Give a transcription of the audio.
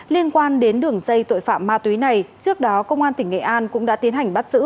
liên quan đến đường dây tội phạm ma túy này trước đó công an tỉnh nghệ an cũng đã tiến hành bắt giữ